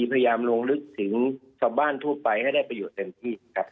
พยายามลงลึกถึงชาวบ้านทั่วไปให้ได้ประโยชน์เต็มที่ครับ